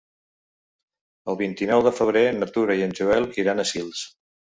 El vint-i-nou de febrer na Tura i en Joel iran a Sils.